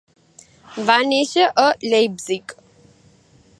Va néixer a Leipzig.